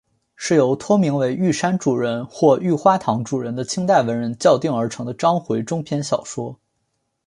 是由托名为玉山主人或玉花堂主人的清代文人校订而成的章回中篇小说。